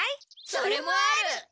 それもある！